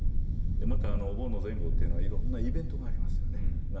またお盆の前後というのは色んな夏のイベントがありますよね。